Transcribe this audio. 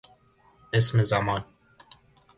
اسم زمان